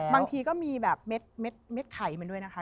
บางทีก็มีแบบเม็ดไข่มันด้วยนะคะ